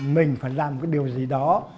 mình phải làm điều gì đó